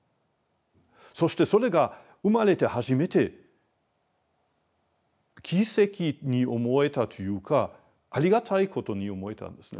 そしてそれが生まれて初めて奇跡に思えたというかありがたいことに思えたんですね。